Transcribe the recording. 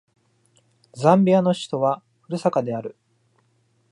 ザンビアの首都はルサカである